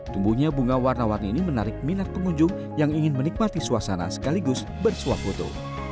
tumbuhnya bunga warna warni ini menarik minat pengunjung yang ingin menikmati suasana sekaligus bersuap foto